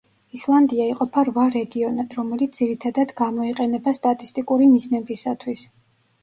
ისლანდია იყოფა რვა რეგიონად, რომელიც ძირითადად გამოიყენება სტატისტიკური მიზნებისათვის.